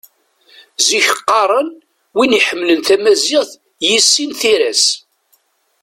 Zik qqaren: Win iḥemmlen tamaziɣt, yissin tira-s.